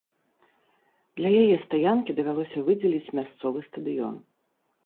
Для яе стаянкі давялося выдзеліць мясцовы стадыён.